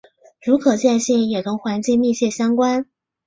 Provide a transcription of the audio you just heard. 如可见性也同环境密切相关。